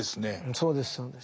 そうですそうです。